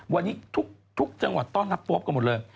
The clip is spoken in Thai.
วันนี้ทุกจังหวัดต้อนรับโป๊ปกันหมดเลย